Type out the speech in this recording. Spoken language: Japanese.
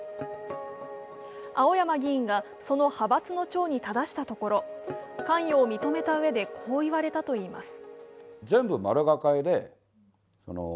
青山議員がその派閥の長にただしたところ関与を認めたうえで、こう言われたといいます。